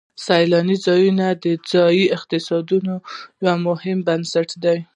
سیلاني ځایونه د ځایي اقتصادونو یو مهم بنسټ دی.